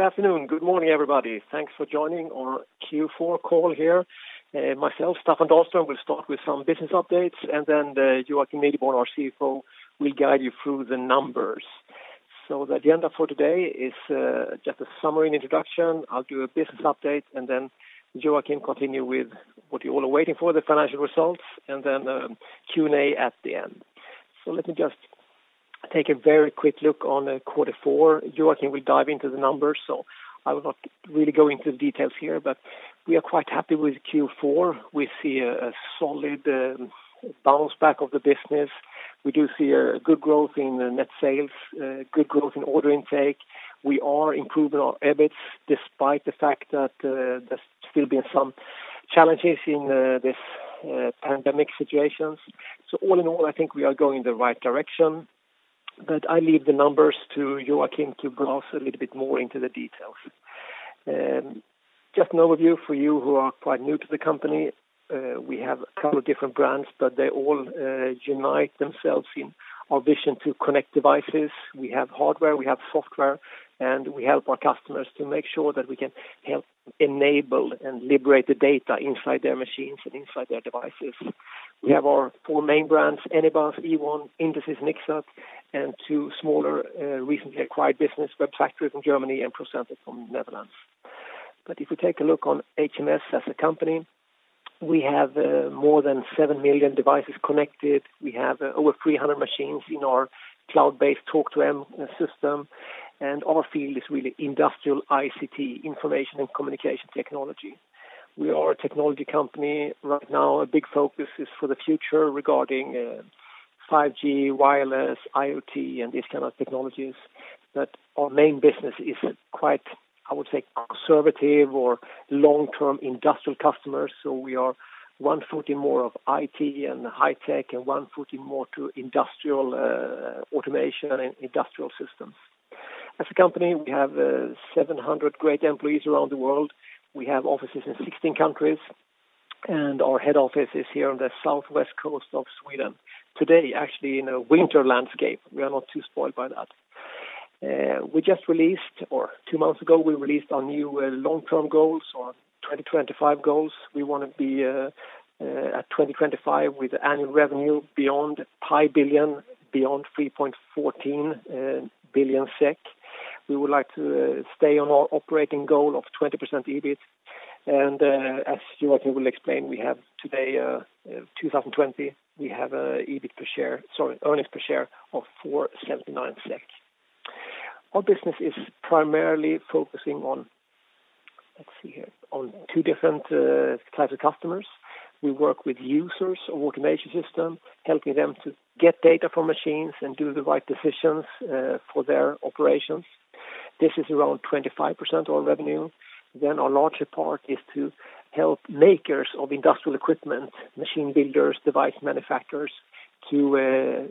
Good afternoon. Good morning, everybody. Thanks for joining our Q4 call here. Myself, Staffan Dahlström, will start with some business updates, and then Joakim Nideborn, our CFO, will guide you through the numbers. The agenda for today is just a summary and introduction. I'll do a business update, and then Joakim continue with what you all are waiting for, the financial results, and then the Q&A at the end. Let me just take a very quick look on quarter four. Joakim will dive into the numbers, so I will not really go into the details here, but we are quite happy with Q4. We see a solid bounce back of the business. We do see a good growth in net sales, good growth in order intake. We are improving our EBIT despite the fact that there's still been some challenges in this pandemic situation. All in all, I think we are going in the right direction. I leave the numbers to Joakim to go also a little bit more into the details. Just an overview for you who are quite new to the company. We have a couple of different brands, but they all unite themselves in our vision to connect devices. We have hardware, we have software, and we help our customers to make sure that we can help enable and liberate the data inside their machines and inside their devices. We have our four main brands, Anybus, Ewon, Intesis, Ixxat, and two smaller, recently acquired business, WEBfactory from Germany and PROCENTEC from the Netherlands. If we take a look on HMS as a company, we have more than 7 million devices connected. We have over 300 machines in our cloud-based Talk2M system. Our field is really industrial ICT, information and communication technology. We are a technology company. Right now, a big focus is for the future regarding 5G, wireless, IoT, and these kind of technologies. Our main business is quite, I would say, conservative or long-term industrial customers. We are one foot in more of IT and high tech and one foot in more to industrial automation and industrial systems. As a company, we have 700 great employees around the world. We have offices in 16 countries, and our head office is here on the southwest coast of Sweden. Today, actually, in a winter landscape. We are not too spoiled by that. Two months ago, we released our new long-term goals, our 2025 goals. We want to be at 2025 with annual revenue beyond high billion, beyond 3.14 billion SEK. We would like to stay on our operating goal of 20% EBIT. As Joakim will explain, we have today, 2020, we have earnings per share of 4.79 SEK. Our business is primarily focusing on, let's see here, two different types of customers. We work with users of automation system, helping them to get data from machines and do the right decisions for their operations. This is around 25% of our revenue. Our larger part is to help makers of industrial equipment, machine builders, device manufacturers, to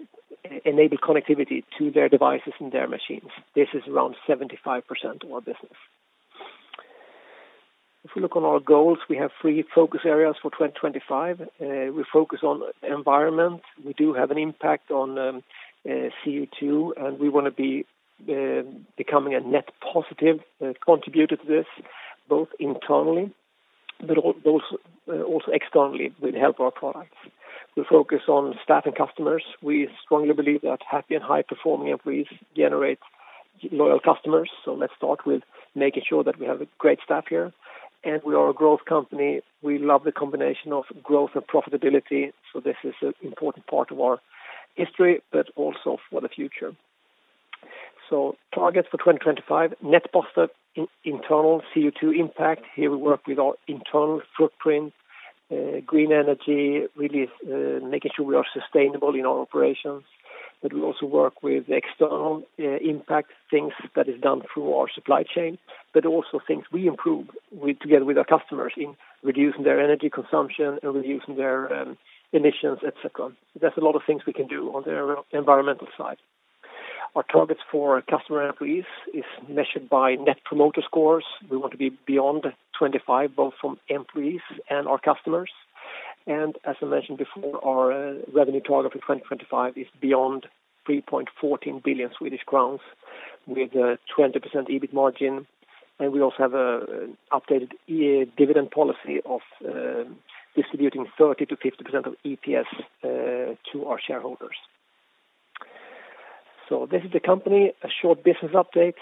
enable connectivity to their devices and their machines. This is around 75% of our business. If we look on our goals, we have three focus areas for 2025. We focus on environment. We do have an impact on CO2, and we want to be becoming a net positive contributor to this, both internally, but also externally with help of our products. We focus on staff and customers. We strongly believe that happy and high-performing employees generate loyal customers. Let's start with making sure that we have a great staff here. We are a growth company. We love the combination of growth and profitability. This is an important part of our history, but also for the future. Targets for 2025, net positive internal CO2 impact. Here we work with our internal footprint, green energy, really making sure we are sustainable in our operations. We also work with external impact, things that is done through our supply chain, but also things we improve together with our customers in reducing their energy consumption and reducing their emissions, et cetera. There's a lot of things we can do on the environmental side. Our targets for customer and employees is measured by Net Promoter Scores. We want to be beyond 25, both from employees and our customers. As I mentioned before, our revenue target for 2025 is beyond 3.14 billion Swedish crowns with a 20% EBIT margin. We also have an updated dividend policy of distributing 30%-50% of EPS to our shareholders. This is the company, a short business update.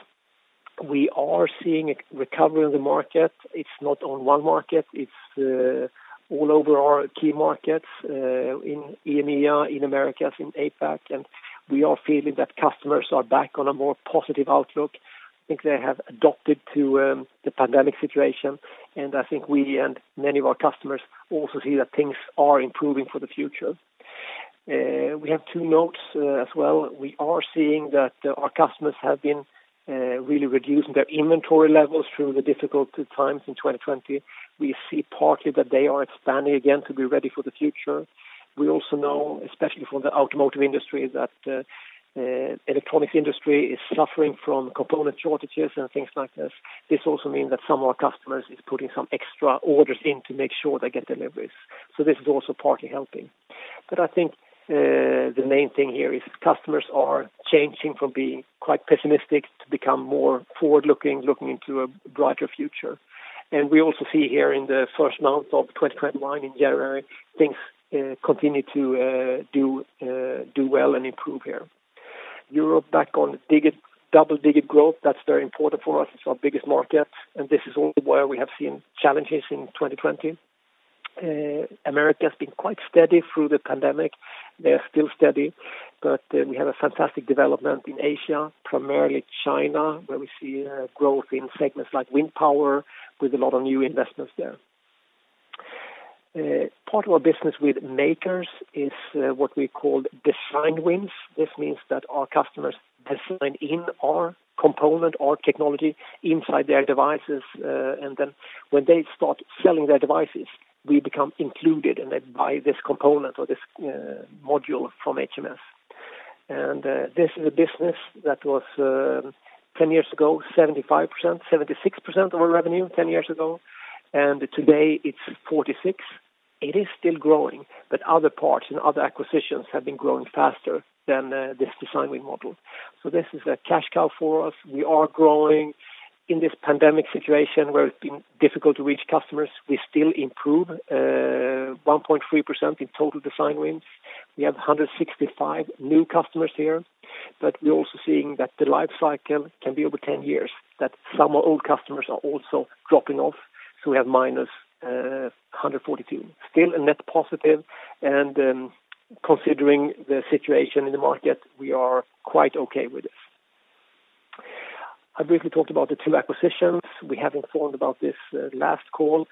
We are seeing a recovery in the market. It's not on one market. It's all over our key markets, in EMEA, in Americas, in APAC, and we are feeling that customers are back on a more positive outlook. I think they have adapted to the pandemic situation, and I think we and many of our customers also see that things are improving for the future. We have two notes as well. We are seeing that our customers have been really reducing their inventory levels through the difficult times in 2020. We see partly that they are expanding again to be ready for the future. We also know, especially from the automotive industry, that electronics industry is suffering from component shortages and things like this. This also means that some of our customers is putting some extra orders in to make sure they get deliveries. This is also partly helping. I think the main thing here is customers are changing from being quite pessimistic to become more forward-looking, looking into a brighter future. We also see here in the first months of 2021, in January, things continue to do well and improve here. Europe back on double-digit growth, that's very important for us. It's our biggest market, and this is also where we have seen challenges in 2020. America has been quite steady through the pandemic. They are still steady. We have a fantastic development in Asia, primarily China, where we see growth in segments like wind power with a lot of new investments there. Part of our business with makers is what we call design wins. This means that our customers design in our component, our technology inside their devices, and then when they start selling their devices, we become included, and they buy this component or this module from HMS. This is a business that was 76% of our revenue 10 years ago, and today it's 46. It is still growing. Other parts and other acquisitions have been growing faster than this design win model. This is a cash cow for us. We are growing in this pandemic situation where it's been difficult to reach customers. We still improve, 1.3% in total design wins. We have 165 new customers here, but we're also seeing that the life cycle can be over 10 years, that some old customers are also dropping off. We have -142. Still a net positive, and considering the situation in the market, we are quite okay with this. I briefly talked about the two acquisitions. We have informed about this last call,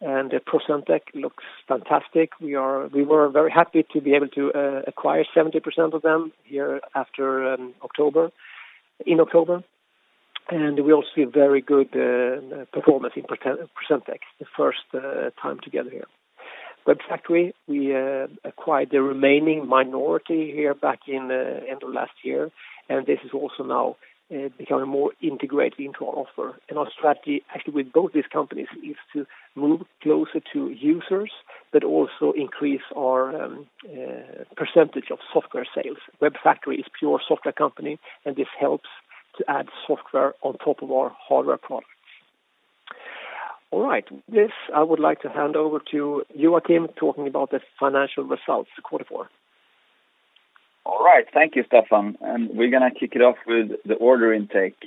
and PROCENTEC looks fantastic. We were very happy to be able to acquire 70% of them here in October. We also see a very good performance in PROCENTEC, the first time together here. WEBfactory, we acquired the remaining minority here back in the end of last year, and this is also now becoming more integrated into our offer. Our strategy, actually with both these companies, is to move closer to users, but also increase our percentage of software sales. WEBfactory is a pure software company, and this helps to add software on top of our hardware products. All right. This I would like to hand over to Joakim, talking about the financial results for quarter four. All right. Thank you, Staffan. We're going to kick it off with the order intake.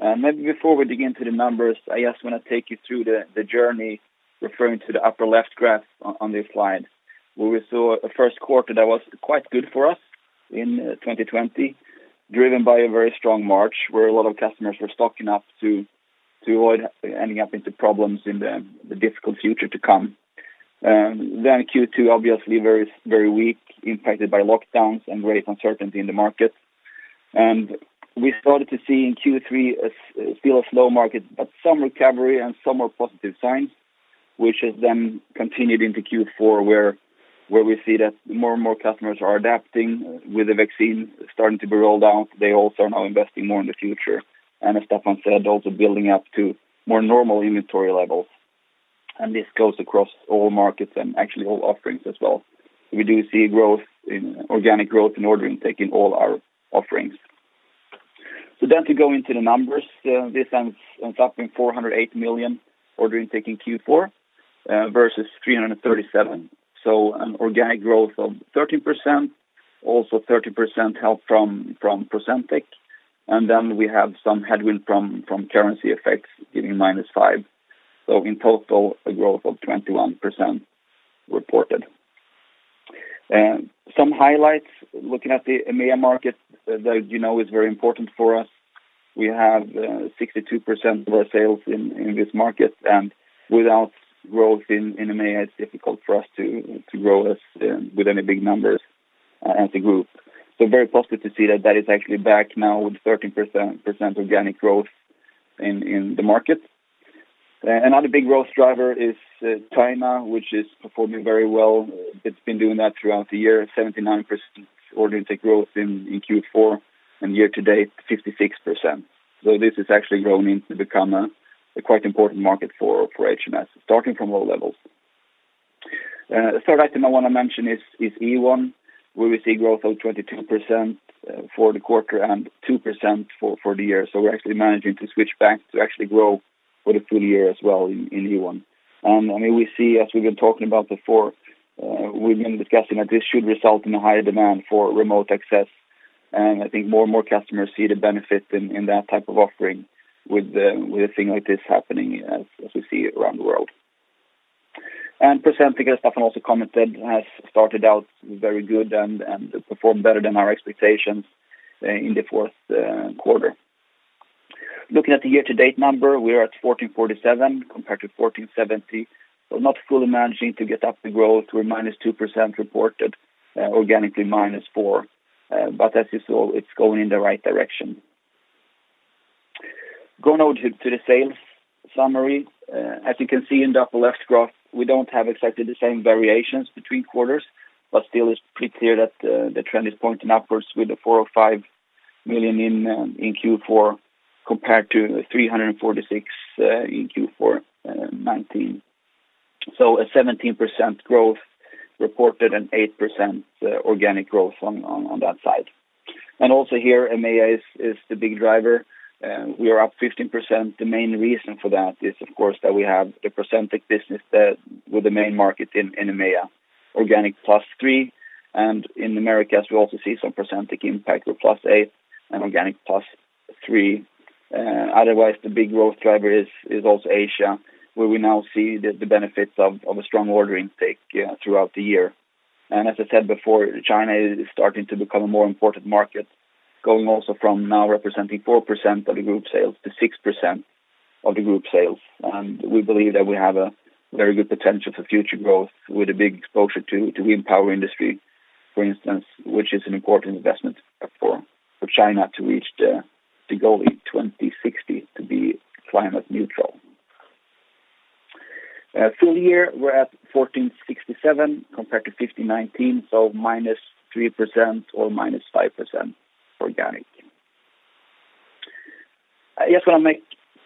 Maybe before we dig into the numbers, I just want to take you through the journey, referring to the upper left graph on this slide, where we saw a first quarter that was quite good for us in 2020, driven by a very strong March, where a lot of customers were stocking up to avoid ending up into problems in the difficult future to come. Q2, obviously very weak, impacted by lockdowns and great uncertainty in the market. We started to see in Q3 still a slow market, but some recovery and some more positive signs, which has then continued into Q4, where we see that more and more customers are adapting. With the vaccine starting to be rolled out, they also are now investing more in the future, as Staffan said, also building up to more normal inventory levels. This goes across all markets and actually all offerings as well. We do see organic growth in order intake in all our offerings. To go into the numbers, this ends on topping SEK 408 million order intake in Q4, versus 337 million. An organic growth of 13%. Also 30% help from PROCENTEC. We have some headwind from currency effects giving -5%. In total, a growth of 21% reported. Some highlights, looking at the EMEA market that you know is very important for us. We have 62% of our sales in this market, without growth in EMEA, it's difficult for us to grow with any big numbers as a group. Very positive to see that that is actually back now with 13% organic growth in the market. Another big growth driver is China, which is performing very well. It's been doing that throughout the year, 79% order intake growth in Q4, and year to date, 56%. This has actually grown into become a quite important market for HMS, starting from low levels. Third item I want to mention is Ewon, where we see growth of 22% for the quarter and 2% for the year. We're actually managing to switch back to actually grow for the full-year as well in Ewon. We see, as we've been talking about before, we've been discussing that this should result in a higher demand for remote access, and I think more and more customers see the benefit in that type of offering with a thing like this happening as we see it around the world. PROCENTEC, as Staffan also commented, has started out very good and performed better than our expectations in the fourth quarter. Looking at the year-to-date number, we are at 1,447 compared to 1,470. Not fully managing to get up the growth. We are at -2% reported, organically -4%. As you saw, it's going in the right direction. Going now to the sales summary. As you can see in the upper left graph, we don't have exactly the same variations between quarters, but still it's pretty clear that the trend is pointing upwards with the 405 million in Q4 compared to 346 in Q4 2019. A 17% growth reported and 8% organic growth on that side. Also here, EMEA is the big driver. We are up 15%. The main reason for that is, of course, that we have the PROCENTEC business with the main market in EMEA, organic +3%, and in Americas, we also see some PROCENTEC impact with +8% and organic +3%. Otherwise, the big growth driver is also Asia, where we now see the benefits of a strong order intake throughout the year. As I said before, China is starting to become a more important market, going also from now representing 4% of the group sales to 6% of the group sales. We believe that we have a very good potential for future growth with a big exposure to the wind power industry, for instance, which is an important investment for China to reach the goal in 2060 to be climate neutral. full-year, we're at 1,467 compared to 1,519, so minus 3% or minus 5% organic. I just want to make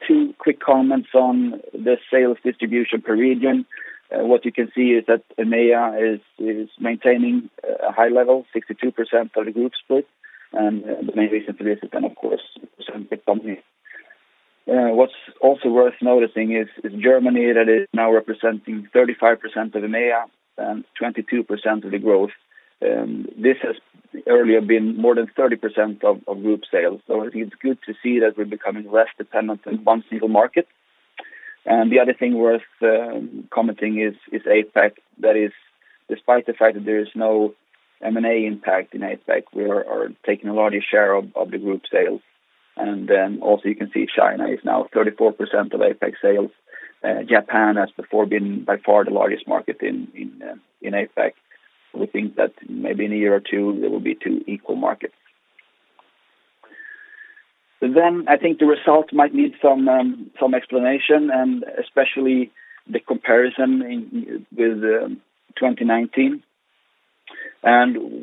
two quick comments on the sales distribution per region. What you can see is that EMEA is maintaining a high level, 62% of the group split, and the main reason for this is then, of course, PROCENTEC company. What's also worth noticing is Germany that is now representing 35% of EMEA and 22% of the growth. This has earlier been more than 30% of group sales. I think it's good to see that we're becoming less dependent on one single market. The other thing worth commenting is APAC. That is, despite the fact that there is no M&A impact in APAC, we are taking a larger share of the group sales. You can see China is now 34% of APAC sales. Japan has before been by far the largest market in APAC. We think that maybe in a year or two, they will be two equal markets. I think the result might need some explanation, and especially the comparison with 2019.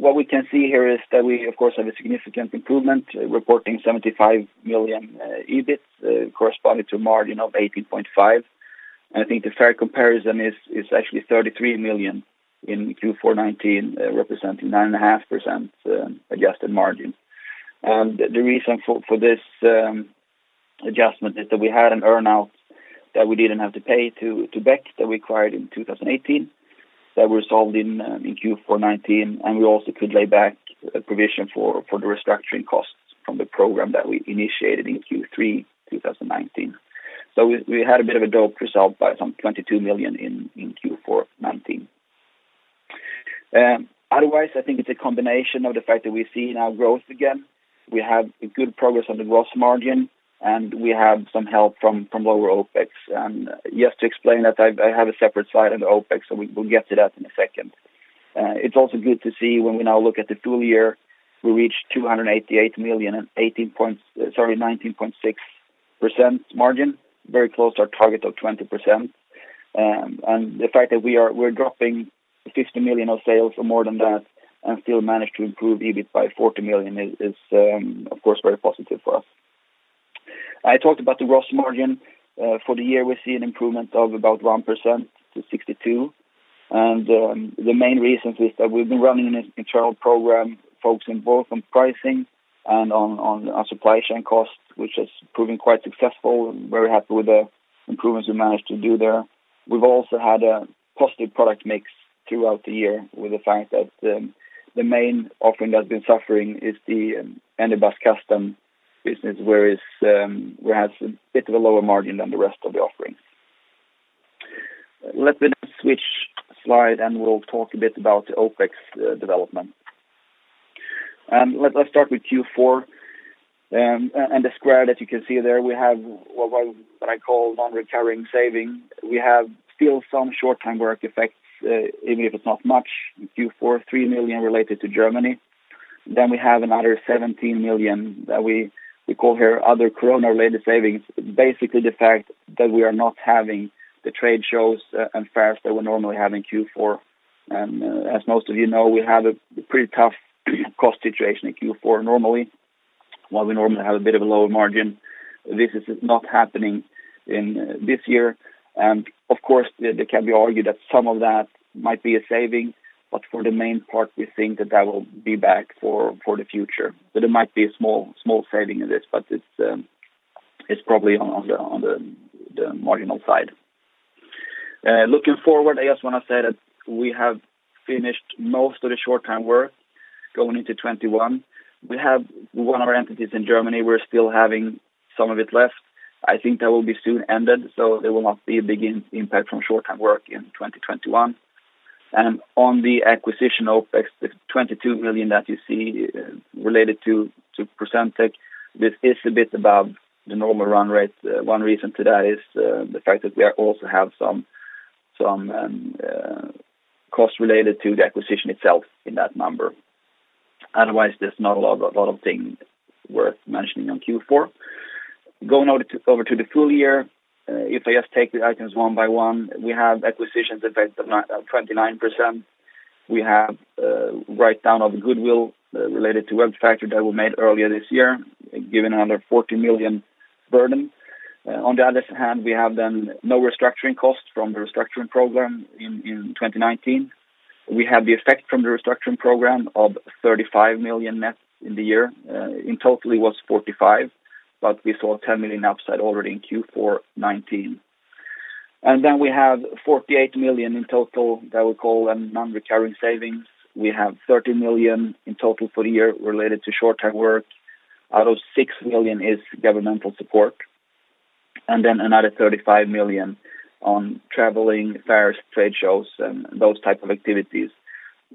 What we can see here is that we, of course, have a significant improvement, reporting 75 million EBIT corresponding to a margin of 18.5%. I think the fair comparison is actually 33 million in Q4 2019, representing 9.5% adjusted margin. The reason for this adjustment is that we had an earn-out that we didn't have to pay to Beck that we acquired in 2018 that were solved in Q4 2019, and we also could lay back a provision for the restructuring costs from the program that we initiated in Q3 2019. We had a bit of a boost result by some 22 million in Q4 2019. Otherwise, I think it's a combination of the fact that we see now growth again. We have good progress on the gross margin, and we have some help from lower OpEx. Just to explain that, I have a separate slide on the OpEx, so we'll get to that in a second. It's also good to see when we now look at the full-year, we reached 288 million and 19.6% margin, very close to our target of 20%. The fact that we're dropping 50 million of sales or more than that and still manage to improve EBIT by 40 million is, of course, very positive for us. I talked about the gross margin. For the year, we see an improvement of about 1% to 62%. The main reasons is that we've been running an internal program focusing both on pricing and on our supply chain cost, which has proven quite successful. Very happy with the improvements we managed to do there. We've also had a positive product mix throughout the year with the fact that the main offering that's been suffering is the Anybus Custom business, where it has a bit of a lower margin than the rest of the offerings. Let me now switch slide. We'll talk a bit about the OpEx development. Let's start with Q4. The square that you can see there, we have what I call non-recurring saving. We have still some short-time work effects, even if it's not much. In Q4, 3 million related to Germany. We have another 17 million that we call here other corona-related savings. Basically, the fact that we are not having the trade shows and fairs that we normally have in Q4. As most of you know, we have a pretty tough cost situation in Q4 normally, while we normally have a bit of a lower margin. This is not happening in this year. Of course, it can be argued that some of that might be a saving, but for the main part, we think that that will be back for the future. There might be a small saving in this, but it's probably on the marginal side. Looking forward, I just want to say that we have finished most of the short-time work going into 2021. We have one of our entities in Germany. We're still having some of it left. I think that will be soon ended, so there will not be a big impact from short-time work in 2021. On the acquisition OpEx, the 22 million that you see related to PROCENTEC, this is a bit above the normal run rate. One reason to that is the fact that we also have some cost related to the acquisition itself in that number. There's not a lot of things worth mentioning on Q4. Going over to the full-year. If I just take the items one by one, we have acquisitions effect of 29%. We have a write-down of goodwill related to WEBfactory that we made earlier this year, giving another 40 million burden. We have then no restructuring costs from the restructuring program in 2019. We have the effect from the restructuring program of 35 million net in the year. In total, it was 45 million, we saw 10 million upside already in Q4 2019. We have 48 million in total that we call non-recurring savings. We have 30 million in total for the year related to short-time work. Out of 6 million is governmental support, another 35 million on traveling, fairs, trade shows, and those type of activities,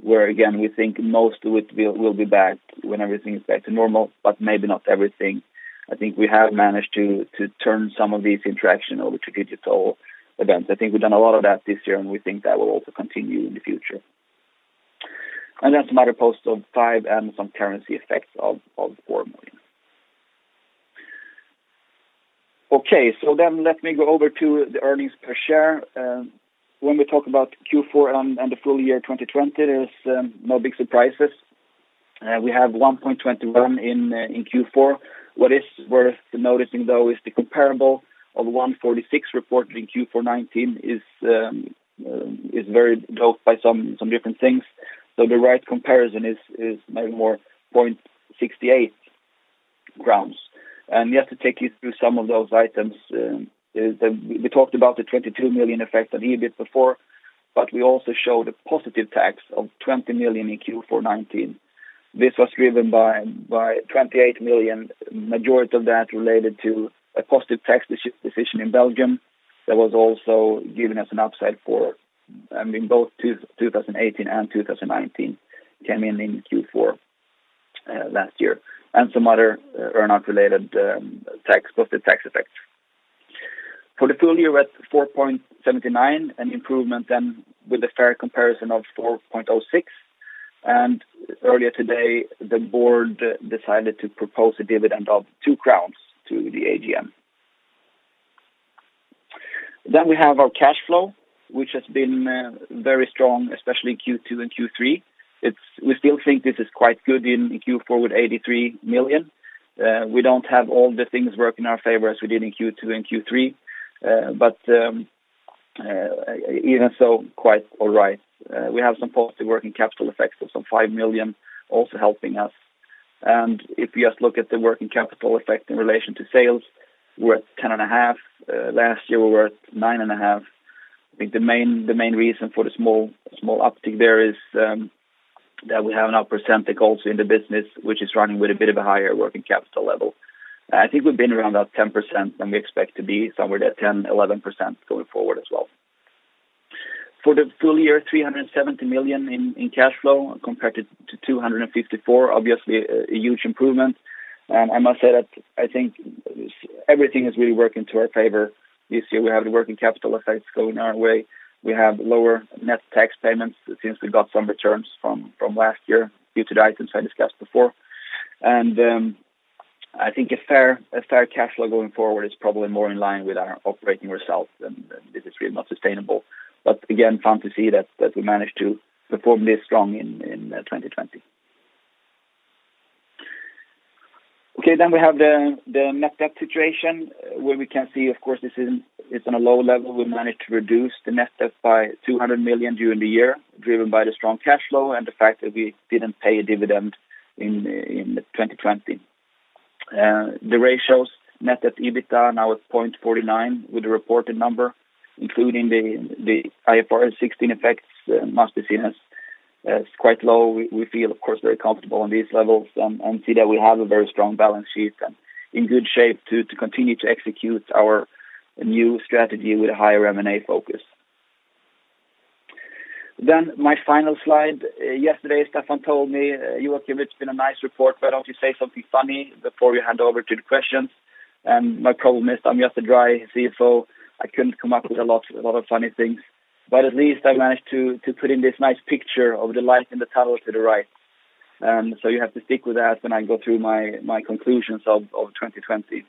where again, we think most of it will be back when everything is back to normal, but maybe not everything. I think we have managed to turn some of these interactions over to digital events. I think we've done a lot of that this year, and we think that will also continue in the future. Some other posts of 5 and some currency effects of 4 million. Okay. Let me go over to the earnings per share. When we talk about Q4 and the full-year 2020, there's no big surprises. We have 1.21 in Q4. What is worth noticing though is the comparable of 1.46 reported in Q4 2019 is very distorted by some different things. The right comparison is maybe more 0.68. Just to take you through some of those items, we talked about the 22 million effect on EBIT before, but we also show the positive tax of 20 million in Q4 2019. This was driven by 28 million, majority of that related to a positive tax decision in Belgium that was also giving us an upside for both 2018 and 2019, came in in Q4 last year, and some other earnout-related positive tax effects. For the full-year, we're at 4.79, an improvement then with a fair comparison of 4.06. Earlier today, the board decided to propose a dividend of 2 crowns to the AGM. We have our cash flow, which has been very strong, especially in Q2 and Q3. We still think this is quite good in Q4 with 83 million. We don't have all the things working in our favor as we did in Q2 and Q3. Even so, quite all right. We have some positive working capital effects of some 5 million also helping us. If you just look at the working capital effect in relation to sales, we're at 10.5%. Last year we were at 9.5%. I think the main reason for the small uptick there is that we have another PROCENTEC in the business, which is running with a bit of a higher working capital level. I think we've been around that 10%, and we expect to be somewhere at 10%-11% going forward as well. For the full-year, sek 370 million in cash flow compared to 254 million, obviously a huge improvement. I must say that I think everything has really worked into our favor this year. I think a fair cash flow going forward is probably more in line with our operating results, and this is really not sustainable. Again, fun to see that we managed to perform this strong in 2020. Okay. We have the net debt situation, where we can see, of course, this is on a low level. We managed to reduce the net debt by 200 million during the year, driven by the strong cash flow and the fact that we didn't pay a dividend in 2020. The ratios, net debt to EBITDA, now at 0.49 with the reported number, including the IFRS 16 effects must be seen as quite low. We feel, of course, very comfortable on these levels and see that we have a very strong balance sheet and in good shape to continue to execute our new strategy with a higher M&A focus. My final slide. Yesterday, Staffan told me, "Joakim, it's been a nice report, but why don't you say something funny before you hand over to the questions?" My problem is I'm just a dry CFO. I couldn't come up with a lot of funny things. At least I managed to put in this nice picture of the light in the tunnel to the right. You have to stick with that when I go through my conclusions of 2020.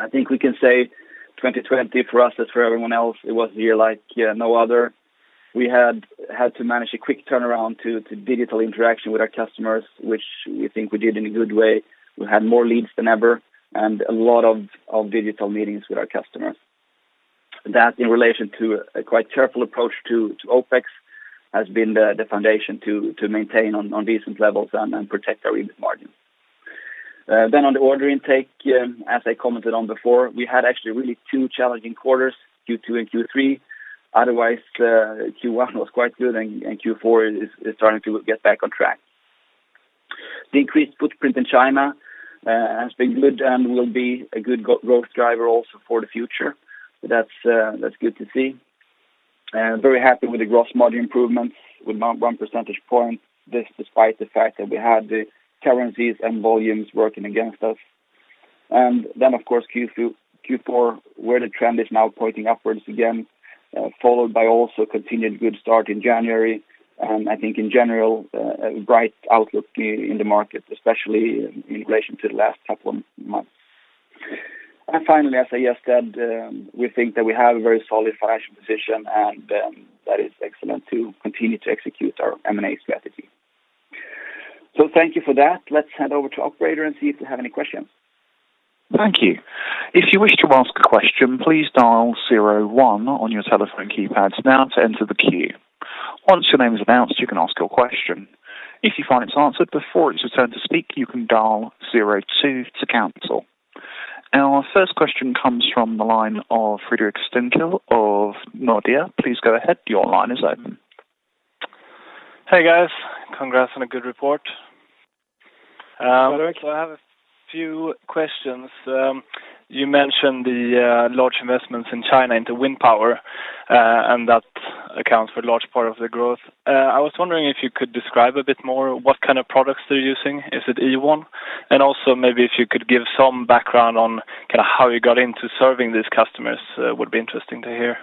I think we can say 2020 for us, as for everyone else, it was a year like no other. We had to manage a quick turnaround to digital interaction with our customers, which we think we did in a good way. We had more leads than ever and a lot of digital meetings with our customers. That in relation to a quite careful approach to OpEx has been the foundation to maintain on decent levels and protect our EBIT margin. On the order intake, as I commented on before, we had actually really two challenging quarters, Q2 and Q3. Otherwise, Q1 was quite good, and Q4 is starting to get back on track. The increased footprint in China has been good and will be a good growth driver also for the future. That's good to see. Very happy with the gross margin improvements with one percentage point. This despite the fact that we had the currencies and volumes working against us. Of course, Q4, where the trend is now pointing upwards again. Followed by also continued good start in January. I think in general, a bright outlook in the market, especially in relation to the last couple of months. Finally, as I just said, we think that we have a very solid financial position, and that is excellent to continue to execute our M&A strategy. Thank you for that. Let's hand over to operator and see if they have any questions. Thank you. Our first question comes from the line of Fredrik Stenkil of Nordea. Please go ahead. Your line is open. Hey, guys. Congrats on a good report. I have a few questions. You mentioned the large investments in China into wind power, and that accounts for a large part of the growth. I was wondering if you could describe a bit more what kind of products they're using. Is it Ewon? Also maybe if you could give some background on how you got into serving these customers, would be interesting to hear.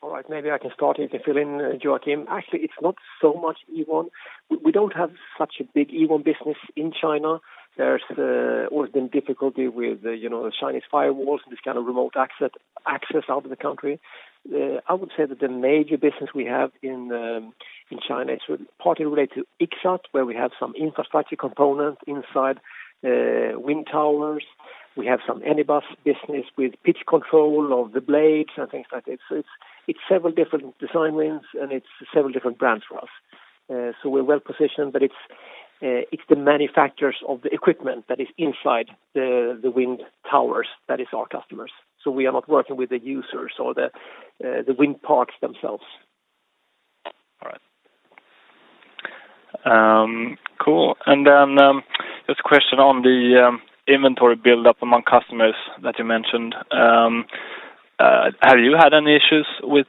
All right. Maybe I can start. You can fill in, Joakim. Actually, it's not so much Ewon. We don't have such a big Ewon business in China. There's always been difficulty with the Chinese firewalls and this kind of remote access out of the country. I would say that the major business we have in China is partly related to Ixxat, where we have some infrastructure component inside wind towers. We have some Anybus business with pitch control of the blades and things like this. It's several different design wins and it's several different brands for us. We're well-positioned, but it's the manufacturers of the equipment that is inside the wind towers that is our customers. We are not working with the users or the wind parks themselves. All right. Cool. Just a question on the inventory buildup among customers that you mentioned. Have you had any issues with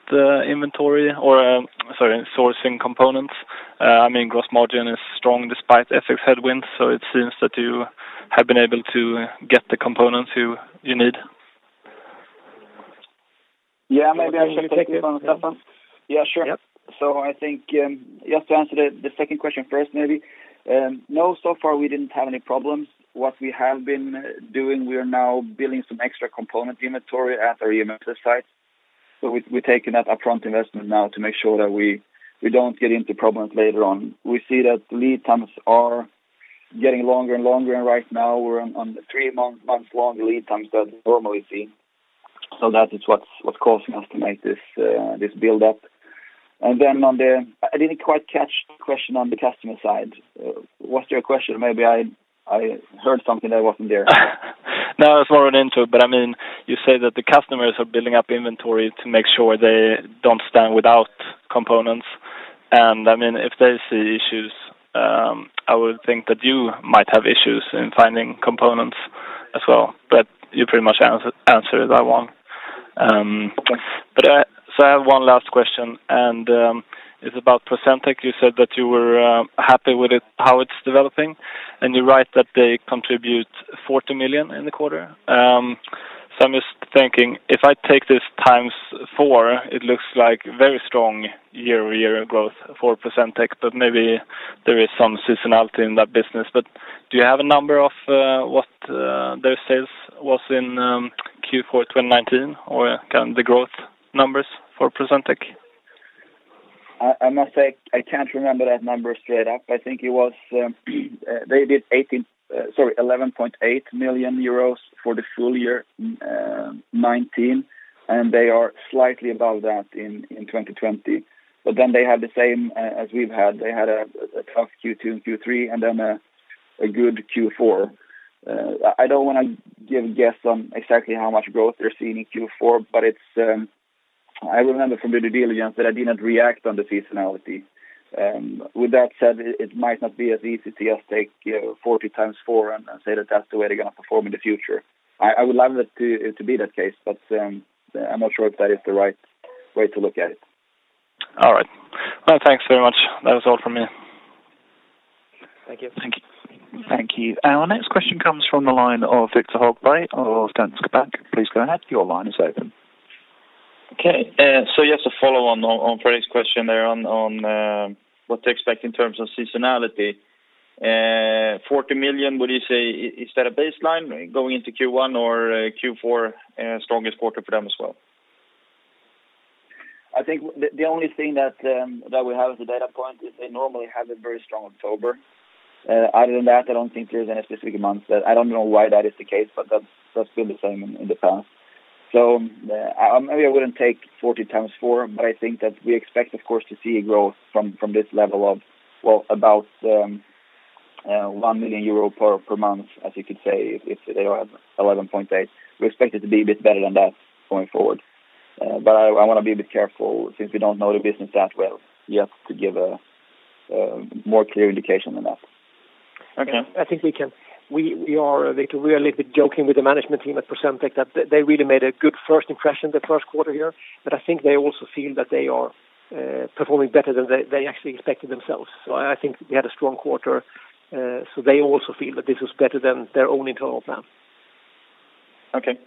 inventory or, sorry, sourcing components? I mean, gross margin is strong despite FX headwinds, so it seems that you have been able to get the components you need. Yeah, maybe I can take it. You want to take it? Yeah, sure. I think just to answer the second question first, maybe. No, so far we didn't have any problems. What we have been doing, we are now building some extra component inventory at our EMS site. We're taking that upfront investment now to make sure that we don't get into problems later on. We see that lead times are getting longer and longer, and right now we're on the three-month long lead times that we normally see. That is what's causing us to make this buildup. On the, I didn't quite catch the question on the customer side. Was there a question? Maybe I heard something that wasn't there. I was following into, you say that the customers are building up inventory to make sure they don't stand without components. If they see issues, I would think that you might have issues in finding components as well, you pretty much answered that one. I have one last question, and it's about PROCENTEC. You said that you were happy with how it's developing, and you're right that they contribute 40 million in the quarter. I'm just thinking, if I take this times four, it looks like very strong year-over-year growth for PROCENTEC, but maybe there is some seasonality in that business. Do you have a number of what their sales was in Q4 2019 or the growth numbers for PROCENTEC? I must say, I can't remember that number straight up. I think they did 11.8 million euros for the full-year 2019. They are slightly above that in 2020. They had the same as we've had. They had a tough Q2 and Q3, and then a good Q4. I don't want to give a guess on exactly how much growth they're seeing in Q4. I remember from the due diligence that I did not react on the seasonality. With that said, it might not be as easy to just take 40 times four and say that that's the way they're going to perform in the future. I would love it to be that case. I'm not sure if that is the right way to look at it. All right. Well, thanks very much. That is all from me. Thank you. Thank you. Our next question comes from the line of Viktor Högberg of Danske Bank. Okay. Just to follow on Fredirik's question there on what to expect in terms of seasonality. 40 million, would you say, is that a baseline going into Q1 or Q4 strongest quarter for them as well? I think the only thing that we have as a data point is they normally have a very strong October. Other than that, I don't think there's any specific months that I don't know why that is the case, but that's been the same in the past. Maybe I wouldn't take 40 times four, but I think that we expect, of course, to see a growth from this level of, well, about 1 million euro per month, as you could say, if they all have 11.8 million. We expect it to be a bit better than that going forward. But I want to be a bit careful since we don't know the business that well just to give a more clear indication than that. Okay. I think we are a little bit joking with the management team at PROCENTEC that they really made a good first impression the first quarter here. I think they also feel that they are performing better than they actually expected themselves. I think we had a strong quarter, so they also feel that this was better than their own internal plan. Okay.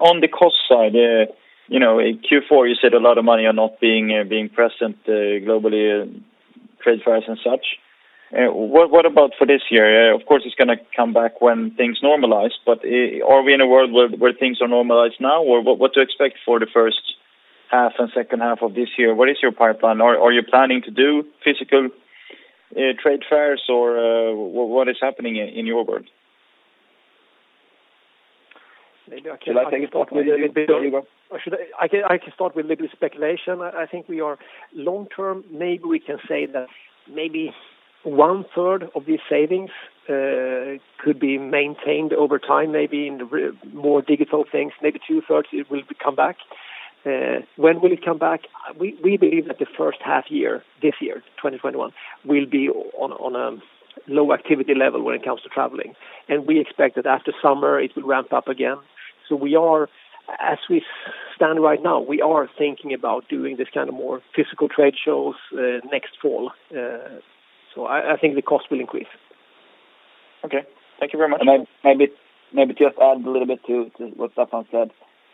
On the cost side, in Q4 you said a lot of money on not being present globally, trade fairs and such. What about for this year? Of course, it's going to come back when things normalize. Are we in a world where things are normalized now? What to expect for the first half and second half of this year? What is your pipeline? Are you planning to do physical trade fairs, or what is happening in your world? Maybe I can start with a little bit- Shall I take it, Staffan? I can start with a little speculation. I think long-term, maybe we can say that maybe one-third of these savings could be maintained over time, maybe in the more digital things. Maybe two-thirds will come back. When will it come back? We believe that the first half year this year, 2021, will be on a low activity level when it comes to traveling, and we expect that after summer it will ramp up again. As we stand right now, we are thinking about doing this kind of more physical trade shows next fall. I think the cost will increase. Okay. Thank you very much. Maybe just add a little bit to what Staffan said.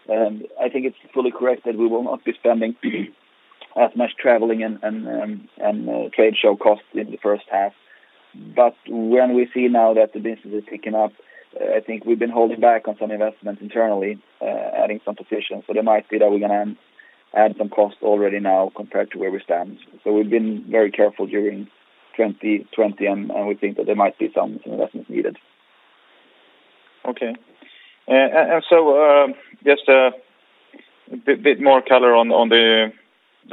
I think it's fully correct that we will not be spending as much traveling and trade show costs in the first half. When we see now that the business is picking up, I think we've been holding back on some investments internally, adding some positions. There might be that we're going to add some costs already now compared to where we stand. We've been very careful during 2020, and we think that there might be some investments needed. Okay. Just a bit more color on the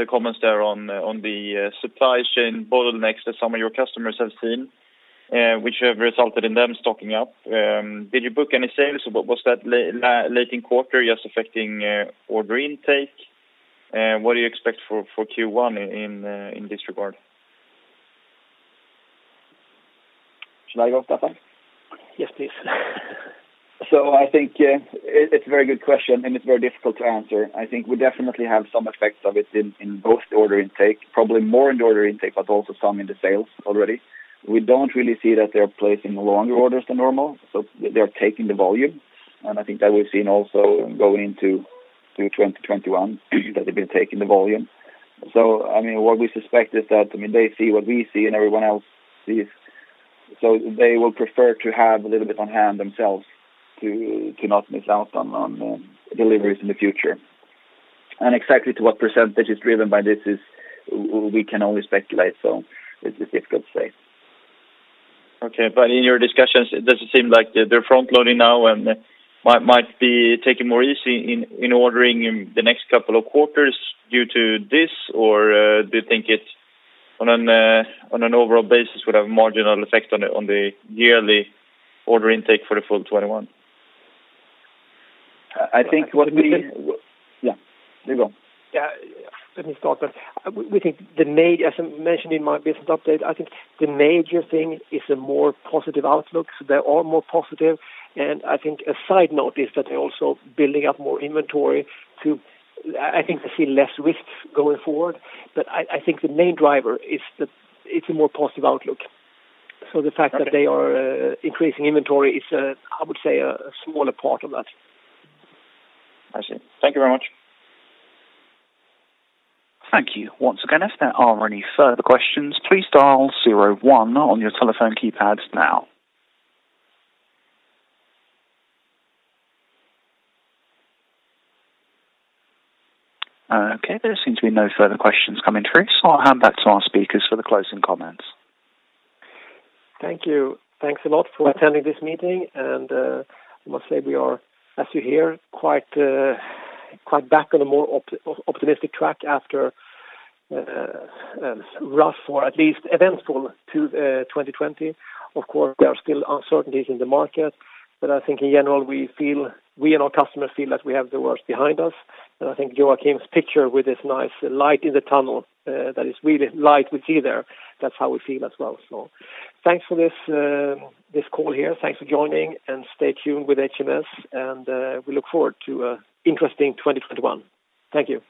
comments there on the supply chain bottlenecks that some of your customers have seen, which have resulted in them stocking up. Did you book any sales, or was that late in quarter just affecting order intake? What do you expect for Q1 in this regard? Should I go, Staffan? Yes, please. I think it's a very good question, and it's very difficult to answer. I think we definitely have some effects of it in both the order intake, probably more in the order intake, but also some in the sales already. We don't really see that they're placing longer orders than normal, so they are taking the volume. I think that we've seen also going into 2021 that they've been taking the volume. What we suspect is that they see what we see and everyone else sees, so they will prefer to have a little bit on hand themselves to not miss out on deliveries in the future. Exactly to what percentage is driven by this, we can only speculate, so it's difficult to say. Okay. In your discussions, does it seem like they're front-loading now and might be taking it more easy in ordering in the next couple of quarters due to this, or do you think it, on an overall basis, would have a marginal effect on the yearly order intake for the full 2021? I think what we- Let me- Yeah. You go. Yeah. Let me start. As I mentioned in my business update, I think the major thing is a more positive outlook, they are more positive, I think a side note is that they're also building up more inventory to, I think, to see less risk going forward. I think the main driver is that it's a more positive outlook. The fact that they are increasing inventory is, I would say, a smaller part of that. I see. Thank you very much. Thank you once again. If there are any further questions, please dial zero one on your telephone keypads now. Okay. There seems to be no further questions coming through, I'll hand back to our speakers for the closing comments. Thank you. Thanks a lot for attending this meeting. I must say we are, as you hear, quite back on a more optimistic track after a rough, or at least eventful, 2020. Of course, there are still uncertainties in the market. I think in general, we and our customers feel that we have the worst behind us. I think Joakim's picture with this nice light in the tunnel, that is really light we see there, that's how we feel as well. Thanks for this call here. Thanks for joining. Stay tuned with HMS. We look forward to an interesting 2021. Thank you.